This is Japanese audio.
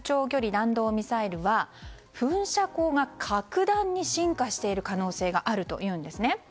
弾道ミサイルは噴射口が格段に進化している可能性があるというんですね。